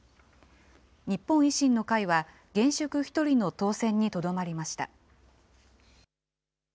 日本維新の会は、現職１人の当選にとどまりました。